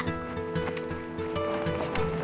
tunggu dulu ya